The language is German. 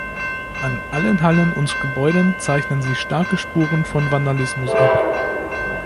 An allen Hallen und Gebäuden zeichnen sich starke Spuren von Vandalismus ab.